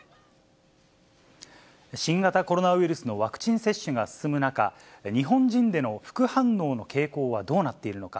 新型コロナウイルスのワクチン接種が進む中、日本人での副反応の傾向はどうなっているのか。